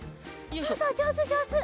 そうそうじょうずじょうず！